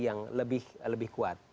yang lebih kuat